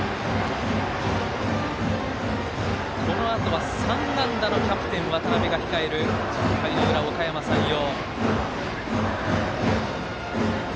このあとは３安打のキャプテン、渡邊が控える１０回の裏、おかやま山陽。